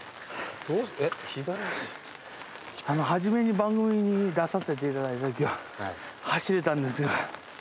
初めに番組に出させていただいたときは走れたんですが。